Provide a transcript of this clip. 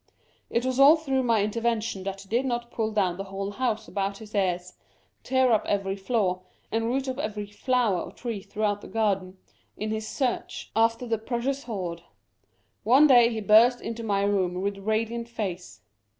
It is all through my intervention that he did not pull down the whole house about his ears, tear up every floor, and root up every flower or tree throughout the garden, in his search after the 32 Curiosities of Cypher precious hoard. One day he burst into my room with radiant face.